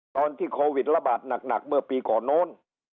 ตอนที่โควิดระบาดหนักเมื่อปีก่อนโน้น